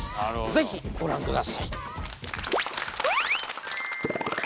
ぜひご覧下さい。